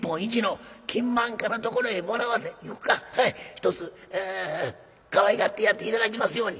ひとつかわいがってやって頂きますように」。